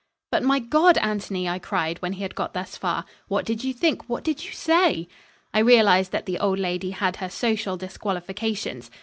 "But, my God, Anthony!" I cried, when he had got thus far, "What did you think? What did you say?" I realised that the old lady had her social disqualifications.